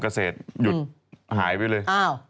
ไม่ทั่วโอ้ย